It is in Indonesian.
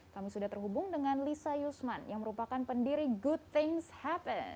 kami sudah terhubung dengan lisa yusman yang merupakan pendiri good things happen